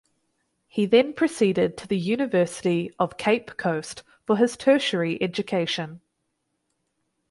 He then proceeded to the University of Cape Coast for his tertiary education.